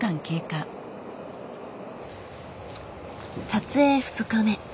撮影２日目。